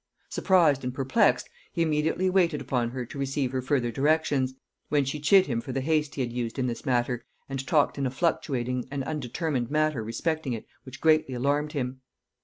Surprised and perplexed, he immediately waited upon her to receive her further directions; when she chid him for the haste he had used in this matter, and talked in a fluctuating and undetermined manner respecting it which greatly alarmed him.